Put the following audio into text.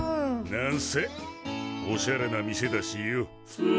なんせおしゃれな店だしよ。